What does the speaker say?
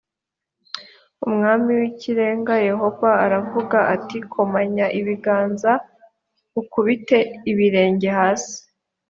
umwami w ikirenga yehova aravuga ati komanya ibiganza h ukubite ikirenge hasi